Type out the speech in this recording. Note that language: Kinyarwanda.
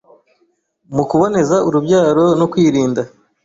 mu kuboneza urubyaro no kwirinda